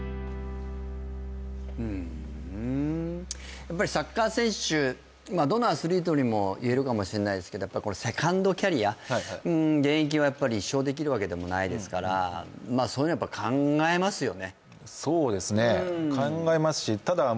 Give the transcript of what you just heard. やっぱりサッカー選手、どのアスリートにもいえるかもしれないですけど現役を一生できるわけじゃないですからそういうのはやっぱり考えますよね？